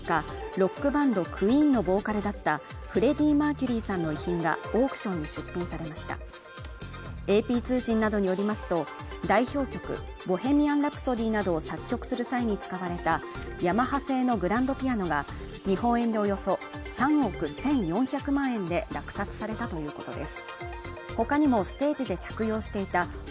ロックバンドクイーンのボーカルだったフレディ・マーキュリーさんの遺品がオークションに出品されましたＡＰ通信などによりますと代表曲「ボヘミアン・ラプソディ」などを作曲する際に使われたヤマハ製のグランドピアノが日本円でおよそ３億１４００万円で落札されたということです